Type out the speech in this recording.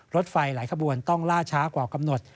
รถไฟหลายขบวนต้องล่าช้ากว่ากำหนด